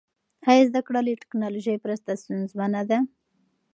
آیا زده کړه له ټیکنالوژۍ پرته ستونزمنه ده؟